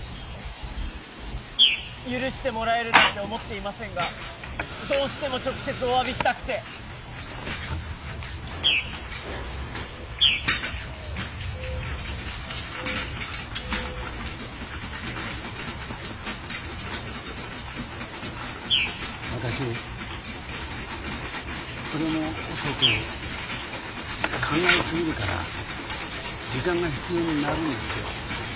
許してもらえるなんて思っていませんがどうしても直接お詫びしたくて私筆も遅く考え過ぎるから時間が必要になるんですよ